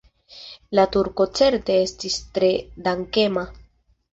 La turko certe estis tre dankema.